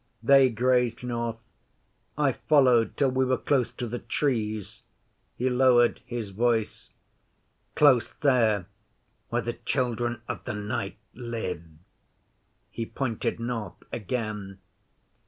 They grazed north. I followed till we were close to the Trees' he lowered his voice 'close there where the Children of the Night live.' He pointed north again.